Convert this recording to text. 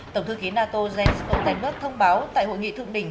tổng thư ký nato jens stoltenberg thông báo tại hội nghị thượng đỉnh